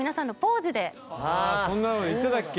そんなの言ってたっけ？